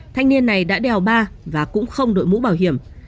thanh niên này đã đèo ba và cũng không đội mũ bảo hiểm